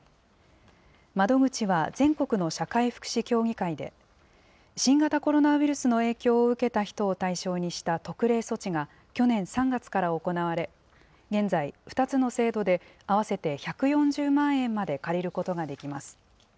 窓口は全国の社会福祉協議会で、新型コロナウイルスの影響を受けた人を対象にした特例措置が去年３月から行われ、現在、２つの制度で合わせて１４０万円まで借りることができます。